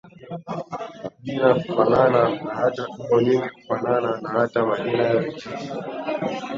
Majina kufanana na hata koo nyingi kufanana na hata majina ya Vijiji